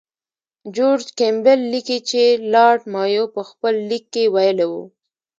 جورج کیمبل لیکي چې لارډ مایو په خپل لیک کې ویلي وو.